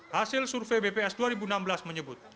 hasil survei bps dua ribu enam belas menyebut